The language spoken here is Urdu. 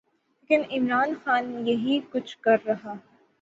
لیکن عمران خان یہی کچھ کر رہا ہے۔